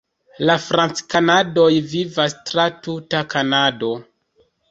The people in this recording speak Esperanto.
La franckanadanoj vivas tra tuta Kanado.